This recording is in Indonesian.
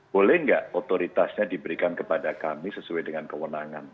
boleh nggak otoritasnya diberikan kepada kami sesuai dengan kewenangan